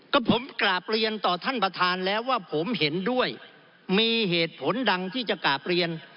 ก็ผมกราบเรียนต่อท่านประธานแล้วว่าผมเห็นด้วยมีเหตุผลดังที่จะกราบเรียน